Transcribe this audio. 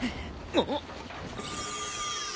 あっ。